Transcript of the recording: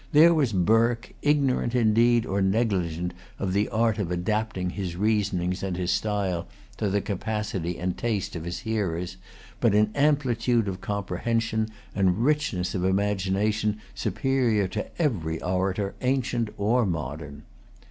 There was Burke, ignorant, indeed, or negligent of the art of adapting his reasonings and his style to the capacity and taste of his hearers, but in amplitude of comprehension and richness of imagination superior to every orator, ancient or modern.